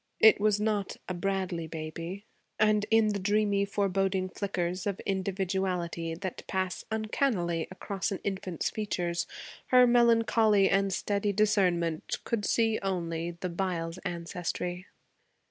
It was not a Bradley baby; and in the dreamy, foreboding flickers of individuality that pass uncannily across an infant's features, her melancholy and steady discernment could see only the Byles ancestry.